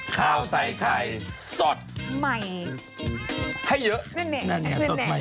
คราวใส่ไข่สดใหม่